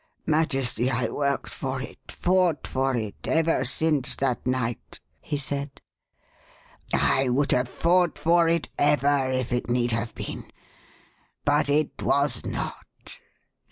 Majesty, I worked for it, fought for it ever since that night!" he said. "I would have fought for it ever if it need have been. But it was not.